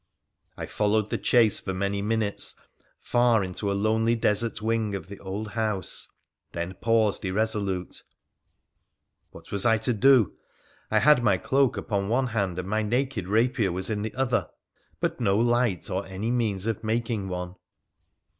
I followed the chase for many minutes, far into a lonely desert wing of the old house, then paused irresolute. What was I to do ? I had my cloak upon one hand, and my naked rapier was in the other ; but no light, or any means of making one.